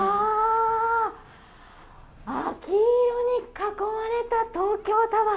秋色に囲まれた東京タワー！